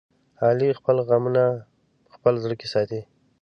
علي خپل غمونه په خپل زړه کې ساتي.